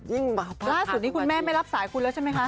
ล่าสุดนี้คุณแม่ไม่รับสายคุณแล้วใช่ไหมคะ